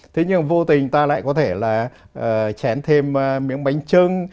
thế nhưng vô tình ta lại có thể là chén thêm miếng bánh trưng